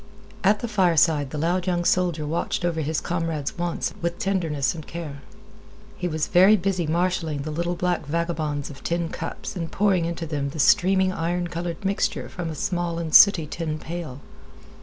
At the fireside the loud young soldier watched over his comrade's wants with tenderness and care. He was very busy marshaling the little black vagabonds of tin cups and pouring into them the streaming iron colored mixture from a small and sooty tin pail.